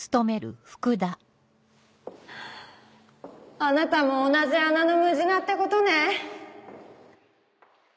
あなたも同じ穴のムジナってことね。